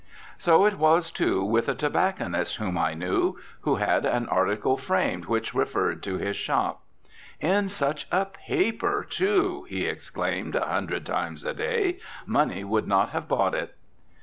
So it was, too, with a tobacconist whom I knew who had an article framed which referred to his shop. "In such a paper, too!" he exclaimed a hundred times a day, "money could not have bought it."